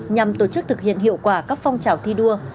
nhằm tổ chức thực hiện hiệu quả các phong trào thi đua